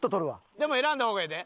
でも選んだ方がええで？